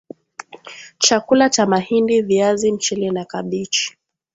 chakula cha mahindi viazi mchele na kabichi